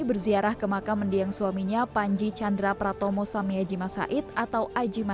berziarah ke makam mendiang suaminya panji chandra pratomo samyajima said atau ajima